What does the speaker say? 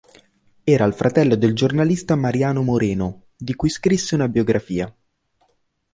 Era il fratello del giornalista Mariano Moreno, di cui scrisse una biografia.